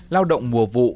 lao động mùa vụ